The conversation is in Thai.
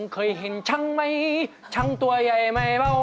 เคยเห็นช้างไหมช้างตัวใหญ่ไหมเปล่า